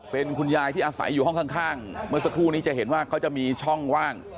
เป็นคุณยายที่อาศัยอยู่ห้องข้างเมื่อสักครู่นี้จะเห็นว่าเขาจะมีช่องว่าง